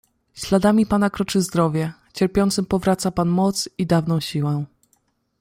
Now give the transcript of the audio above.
"Śladami pana kroczy zdrowie, cierpiącym powraca pan moc i dawną siłę."